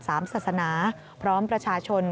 ศาสนาพร้อมประชาชน